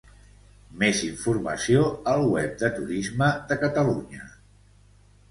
Més informació al web de Turisme de Catalunya.